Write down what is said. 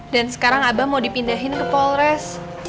dan sekarang abah mau dipindahin ke polres